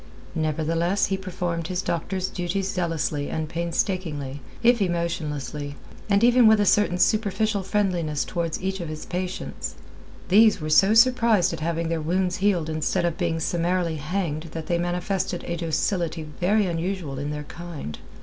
Nevertheless he performed his doctor's duties zealously and painstakingly, if emotionlessly, and even with a certain superficial friendliness towards each of his patients. These were so surprised at having their wounds healed instead of being summarily hanged that they manifested a docility very unusual in their kind.